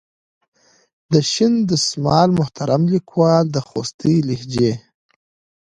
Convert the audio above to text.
د شین دسمال محترم لیکوال د خوستي لهجې.